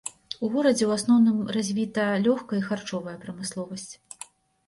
У горадзе ў асноўным развіта лёгкая і харчовая прамысловасць.